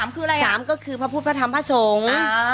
๓คืออะไร๓ก็คือพระพุทธพระธรรมพระสงฆ์